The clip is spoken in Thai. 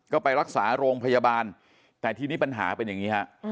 ก็ไปรักษาโรงพยาบาลแต่ทีนี้ปัญหาเป็นอย่างนี้ฮะ